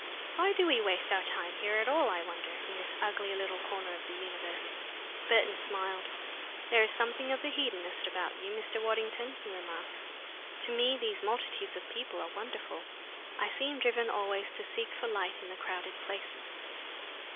Why do we waste our time here at all, I wonder, in this ugly little corner of the universe?" Burton smiled. "There is something of the hedonist about you, Mr. Waddington," he remarked. "To me these multitudes of people are wonderful. I seem driven always to seek for light in the crowded places."